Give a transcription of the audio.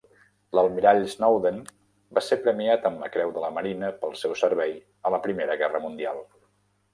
L'almirall Snowden va ser premiat amb la Creu de la Marina pel seu servei a la Primera Guerra Mundial.